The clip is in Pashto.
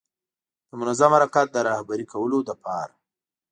د منظم حرکت د رهبري کولو لپاره.